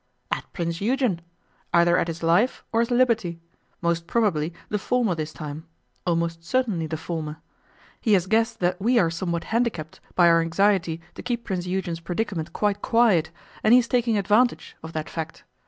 'At Prince Eugen. Either at his life or his liberty. Most probably the former this time; almost certainly the former. He has guessed that we are somewhat handicapped by our anxiety to keep Prince Eugen's predicament quite quiet, and he is taking advantage, of that fact.